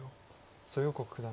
蘇耀国九段